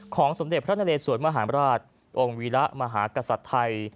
สมเด็จพระนเลสวนมหาราชองค์วีระมหากษัตริย์ไทย